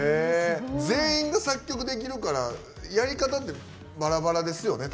全員が作曲できるからやり方って、バラバラですよね。